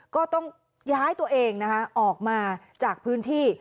ก็ต้องย้ายตัวเองนะคะออกมาจากพื้นที่